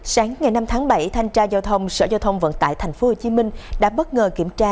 sáng ngày năm tháng bảy thanh tra giao thông sở giao thông vận tải tp hcm đã bất ngờ kiểm tra